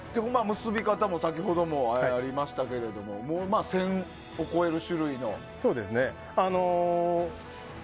結び方も先ほどもありましたけど１０００を超える種類のものが。